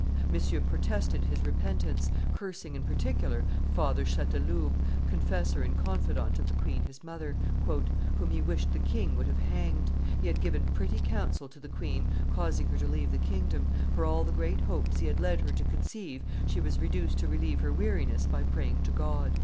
Monsieur protested his repentance, cursing in particular Father Chanteloube, confessor and confidant of the queen his mother, "whom he wished the king would have hanged; he had given pretty counsel to the queen, causing her to leave the kingdom; for all the great hopes he had led her to conceive, she was reduced to relieve her weariness by praying to God."